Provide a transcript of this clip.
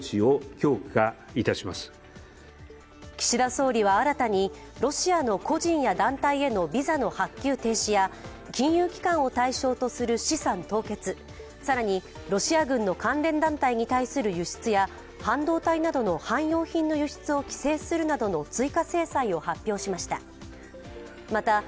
岸田総理は新たにロシアの個人や団体へのビザの発給停止や金融機関を対象とする資産凍結、更にロシア軍の関連団体に対する輸出や半導体などの汎用品の輸出を規制するなどの追加制裁を発表しました。